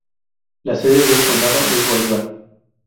La sede del condado es Bolivar.